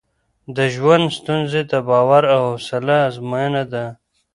د ژوند ستونزې د باور او حوصله ازموینه ده.